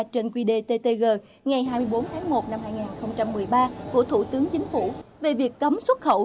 trên quy đề ttg ngày hai mươi bốn tháng một năm hai nghìn một mươi ba của thủ tướng chính phủ về việc cấm xuất khẩu